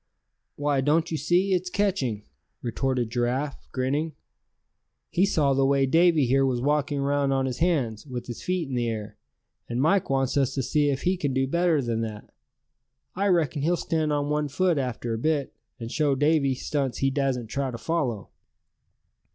"Why, don't you see, it's catching," retorted Giraffe, grinning. "He saw the way Davy here was walking around on his hands, with his feet in the air; and Mike wants us to see if he can do better than that. I reckon he'll stand on one foot after a bit, and show Davy stunts he dassent try to follow."